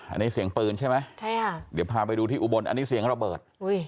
อันนี้เสียงปืนใช่ไหมใช่ค่ะเดี๋ยวพาไปดูที่อุบลอันนี้เสียงระเบิด